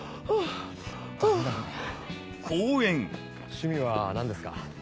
趣味は何ですか？